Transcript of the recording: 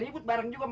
but bareng juga